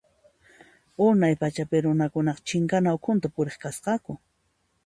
Unay pachapi runakuna chinkana ukhunta puriq kasqaku.